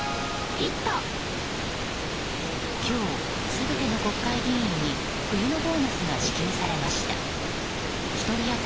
今日、全ての国会議員に冬のボーナスが支給されました。